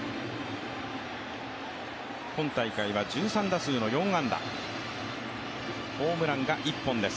本大会は１３打数の４安打ホームランが１本です。